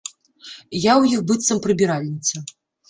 Я ў іх быццам прыбіральніца.